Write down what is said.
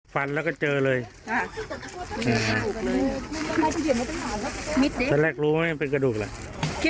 ฟันแล้วก็เจอเลยอ่ามิดสิตอนแรกรู้ว่ามันเป็นกระดูกเหรอ